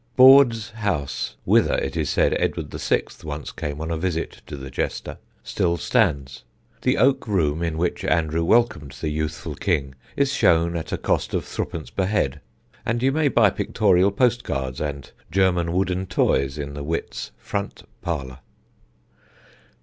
Borde's house, whither, it is said, Edward VI. once came on a visit to the jester, still stands. The oak room in which Andrew welcomed the youthful king is shown at a cost of threepence per head, and you may buy pictorial postcards and German wooden toys in the wit's front parlour.